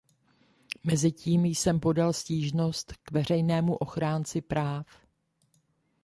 Mezitím jsem podal stížnost k veřejnému ochránci práv.